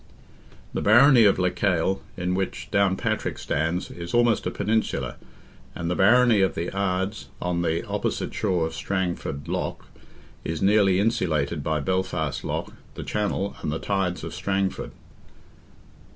The barony of Lecale, in which Downpatrick stands, is almost a peninsula, and the barony of the Ardes on the opposite shore of Strangford Lough is nearly insulated by Belfast Lough, the Channel, and the tides of Strangford.